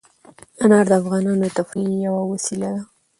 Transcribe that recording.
انار د افغانانو د تفریح یوه وسیله ده.